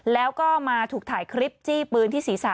แล้วก็มาถูกถ่ายคลิปจี้ปืนที่ศีรษะ